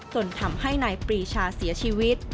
จนทำให้นายปรีชาเสียชีวิต